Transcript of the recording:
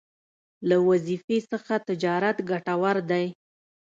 له وظيفې څخه تجارت ګټور دی